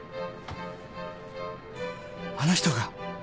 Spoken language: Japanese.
・あの人が。